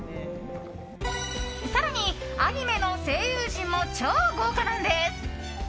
更に、アニメの声優陣も超豪華なんです。